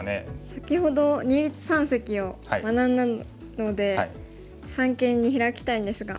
先ほど二立三析を学んだので三間にヒラきたいんですが。